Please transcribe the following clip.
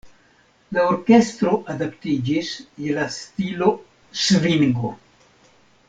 La orkestro adaptiĝis je la stilo "svingo".